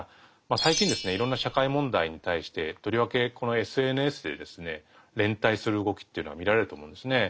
最近ですねいろんな社会問題に対してとりわけこのＳＮＳで連帯する動きというのが見られると思うんですね。